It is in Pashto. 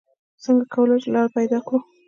څنګه کولې شو لاره پېدا کړو؟